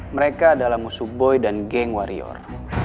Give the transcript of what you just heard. mereka adalah musuh boy dan geng warrior